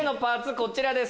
こちらです。